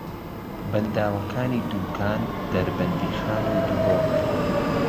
بەنداوەکانی دووکان، دەربەندیخان و دهۆک